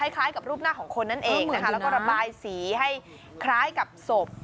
คล้ายกับรูปหน้าของคนนั่นเองนะคะแล้วก็ระบายสีให้คล้ายกับศพ